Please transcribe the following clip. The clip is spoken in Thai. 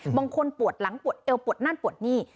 บางคนปวดหลังปวดเอวปวดนั่นปวดนี่